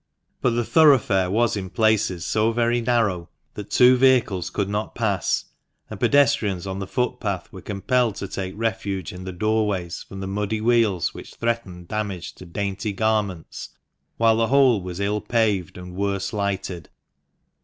But the thoroughfare was in places so very narrow that two vehicles could not pass, and pedestrians on the footpath were compelled to take refuge in the doorways from the muddy wheels which threatened damage to dainty garments, while the whole was ill paved and worse lighted.